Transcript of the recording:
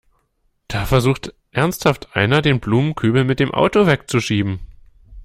Da versucht ernsthaft einer, den Blumenkübel mit dem Auto wegzuschieben!